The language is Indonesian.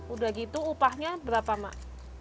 udah gitu upahnya berapa mak